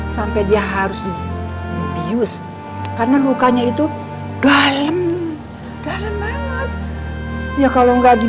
sampai dia harus di bius karena lukanya itu dalem dalem banget ya kalau nggak di